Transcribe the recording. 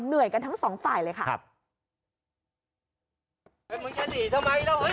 เหนื่อยกันทั้งสองฝ่ายเลยค่ะครับ